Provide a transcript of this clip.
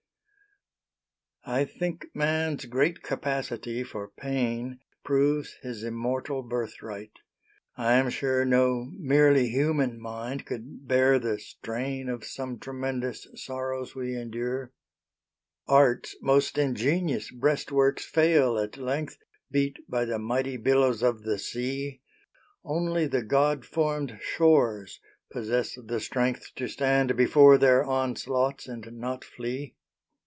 I think man's great capacity for pain Proves his immortal birthright. I am sure No merely human mind could bear the strain Of some tremendous sorrows we endure. Art's most ingenious breastworks fail at length Beat by the mighty billows of the sea; Only the God formed shores possess the strength To stand before their onslaughts, and not flee.